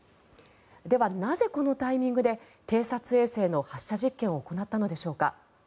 ではなぜこのタイミングで偵察衛星の発射実験を行ったのでしょうか。